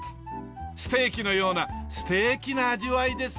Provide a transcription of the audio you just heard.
ステーキのようなすてーきな味わいです。